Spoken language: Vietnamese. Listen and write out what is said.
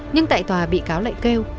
nhưng tại tòa bị cáo lại kêu